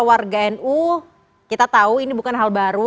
warga nu kita tahu ini bukan hal baru